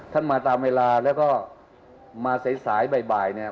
ท่านมาตามเวลาและก็มาเดี๋ยวหนิแล้ว